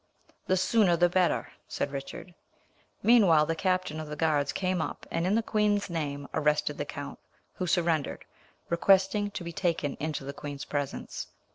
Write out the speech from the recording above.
"The sooner the better," said Richard. Meanwhile, the captain of the guards came up and, in the queen's name, arrested the count, who surrendered, requesting to be taken into the queen's presence.